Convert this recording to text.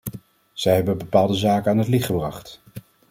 Zij hebben bepaalde zaken aan het licht gebracht.